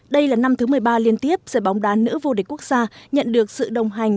đây là năm thứ một mươi ba liên tiếp giải bóng đá nữ vô địch quốc gia nhận được sự đồng hành